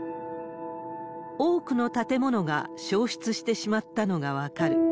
多くの建物が消失してしまったのが分かる。